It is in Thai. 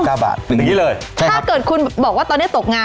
ถ้าเกิดคุณบอกว่าตอนนี้ตกงาน